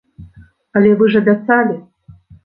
Але вы ж абяцалі?